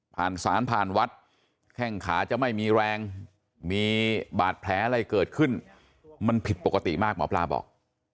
สารผ่านวัดแข้งขาจะไม่มีแรงมีบาดแผลอะไรเกิดขึ้นมันผิดปกติมากหมอปลาบอก